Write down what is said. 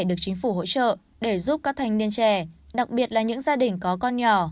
được chính phủ hỗ trợ để giúp các thanh niên trẻ đặc biệt là những gia đình có con nhỏ